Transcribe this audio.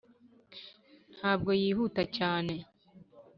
ntabwo yihuta cyane,